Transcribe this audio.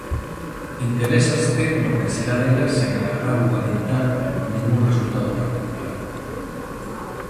Interésaste no que será delas sen agardar ou alentar ningún resultado particular".